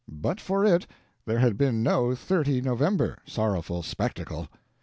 But for it there had been no 30 November sorrowful spectacle!